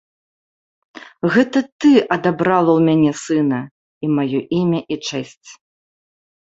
Гэта ты адабрала ў мяне сына і маё імя і чэсць!